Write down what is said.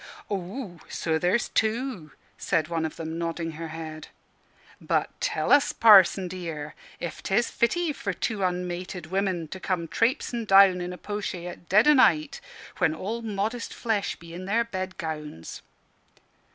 "Aw, so there's two!" said one of them, nodding her head. "But tell us, Parson dear, ef 'tes fitty for two unmated women to come trapesing down in a po'shay at dead o' night, when all modest flesh be in their bed gowns?"